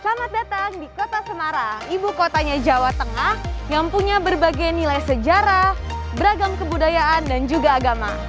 selamat datang di kota semarang ibu kotanya jawa tengah yang punya berbagai nilai sejarah beragam kebudayaan dan juga agama